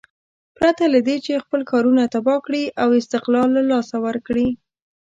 پرته له دې چې خپل ښارونه تباه کړي او استقلال له لاسه ورکړي.